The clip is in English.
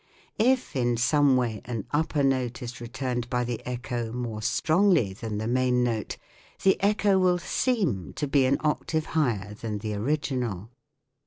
If in some way an upper note is returned by the echo more strongly than the main note, the echo will seem to be an octave higher than the original.